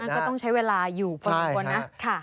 นั่นก็ต้องใช้เวลาอยู่พอดีกว่าน่ะ